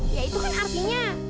ya itu kan artinya